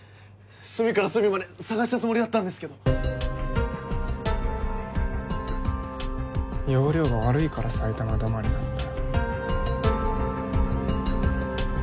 隅から隅まで探したつもりだったんですけど要領が悪いから埼玉止まりなんだよ